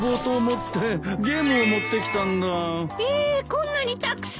こんなにたくさん？